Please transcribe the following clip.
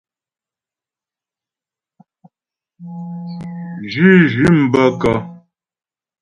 Zhʉ́zhʉ̂m bə́ kə́ ?